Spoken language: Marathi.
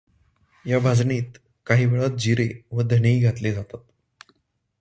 या भाजणीत काही वेळा जिरे व धणेही घातले जातात.